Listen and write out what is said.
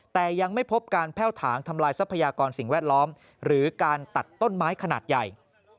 แต่ยังไม่พบการแพ่วถางทำลายทรัพยากรสิ่งแวดล้อมหรือการตัดต้นไม้ขนาดใหญ่